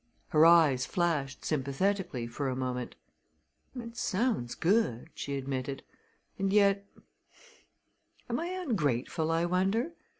Her eyes flashed sympathetically for a moment. "It sounds good," she admitted, "and yet am I ungrateful, I wonder?